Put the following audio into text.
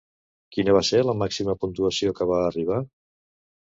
Quina va ser la màxima puntuació que va arribar?